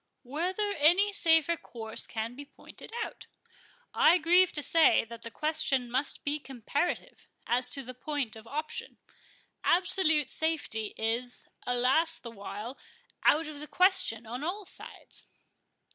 "Whether any safer course can be pointed out. I grieve to say, that the question must be comparative, as to the point of option. Absolute safety is—alas the while!—out of the question on all sides.